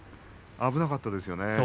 危なかったですね。